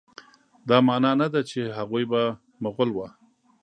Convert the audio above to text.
دا معنی نه ده چې هغوی به مغول وه.